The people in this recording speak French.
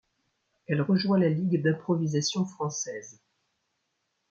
Elle rejoint la ligue d'improvisation française.